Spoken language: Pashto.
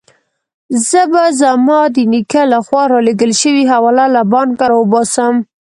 زه به زما د نیکه له خوا رالېږل شوې حواله له بانکه راوباسم.